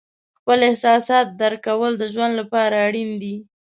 خپل احساسات درک کول د ژوند لپاره اړین دي.